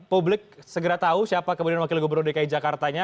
publik segera tahu siapa kemudian wakil gubernur dki jakartanya